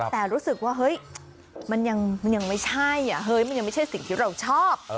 แต่รู้สึกว่าเฮ้ยมันยังไม่ใช่เฮ้ยมันยังไม่ใช่สิ่งที่เราชอบ